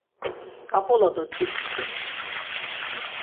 Ǩapula do ti tzǩups.